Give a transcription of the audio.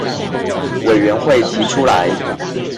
委員會提出來